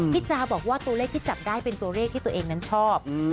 จาบอกว่าตัวเลขที่จับได้เป็นตัวเลขที่ตัวเองนั้นชอบ